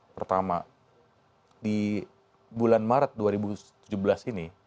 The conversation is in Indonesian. pertama di bulan maret dua ribu tujuh belas ini